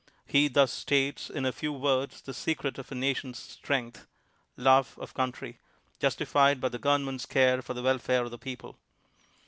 He thus states, in a few words, the secret of a nation's strength — love of country, justified by the government's care for the welfare of the people.